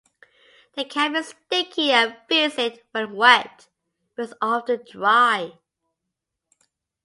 The cap is sticky and viscid when wet, but is often dry.